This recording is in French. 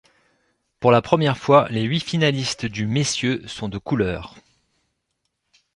Pour la première fois, les huit finalistes du messieurs sont de couleur.